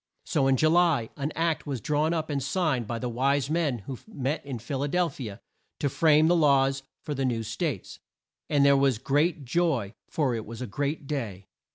So in Ju ly an Act was drawn up and signed by the wise men who met in Phil a del phi a to frame the laws for the new States, and there was great joy, for it was a great day.